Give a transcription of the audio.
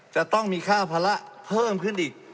จะต้องมีค่าภาระเพิ่มขึ้นอีก